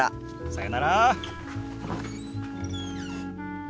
さよなら。